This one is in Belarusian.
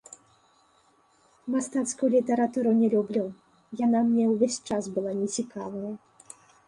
Мастацкую літаратуру не люблю, яна мне ўвесь час была нецікавая.